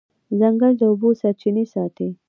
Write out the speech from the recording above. ځنګل د اوبو سرچینې ساتي.